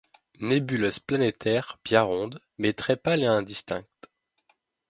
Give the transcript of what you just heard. Nébuleuse planétaire bien ronde, mais très pâle et indistincte.